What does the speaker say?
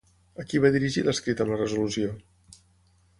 A qui va dirigir l'escrit amb la resolució?